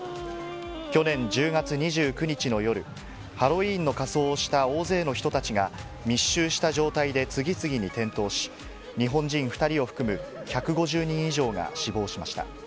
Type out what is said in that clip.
去年１０月２９日の夜、ハロウィーンの仮装をした大勢の人たちが、密集した状態で次々に転倒し、日本人２人を含む１５０人以上が死亡しました。